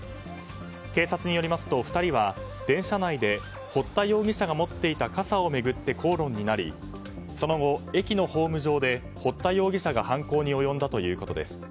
警察によりますと、２人は電車内で堀田容疑者が持っていた傘を巡って口論になりその後、駅のホーム上で堀田容疑者が犯行に及んだということです。